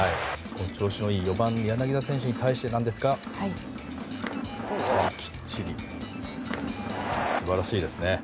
調子のいい４番、柳田選手に対してですがきっちり、素晴らしいですね。